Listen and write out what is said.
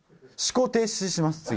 思考停止します。